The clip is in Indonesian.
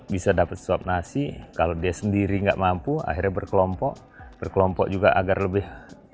bisa dapat suap nasi kalau dia sendiri nggak mampu akhirnya berkelompok berkelompok juga agar lebih